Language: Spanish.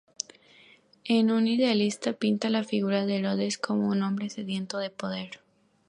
En "Un idealista" pinta la figura de Herodes como un hombre sediento de poder.